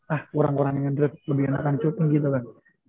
ah kurang kurang ngedrift lebih enakan shooting gitu kan